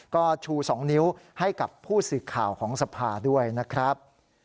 ก็ชู๒นิ้วให้กับผู้สื่อข่าวของสภาด้วยนะครับ